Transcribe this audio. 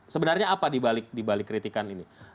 sebenarnya apa dibalik kritikan ini